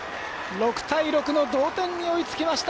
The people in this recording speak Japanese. ６対６の同点に追いつきました！